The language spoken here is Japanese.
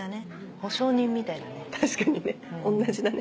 保証人みたいだね。